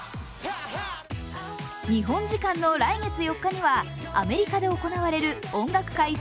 日本時間の来月４日にはアメリカで行われる音楽界